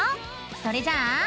それじゃあ。